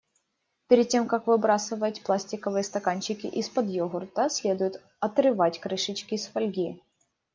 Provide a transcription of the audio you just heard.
Перед тем как выбрасывать пластиковые стаканчики из-под йогурта, следует отрывать крышечки из фольги.